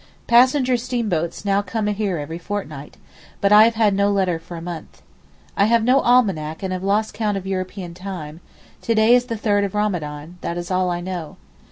Passenger steamboats come now every fortnight, but I have had no letter for a month. I have no almanack and have lost count of European time—to day is the 3 of Ramadan, that is all I know.